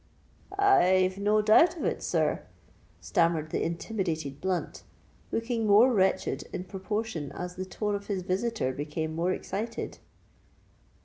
"I—I've no doubt of it, sir," stammered the intimidated Blunt, looking more wretched in proportion as the tone of his visitor became more excited.